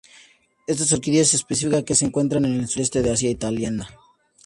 Estas orquídeas epífitas que se encuentran en el Sureste de Asia Tailandia.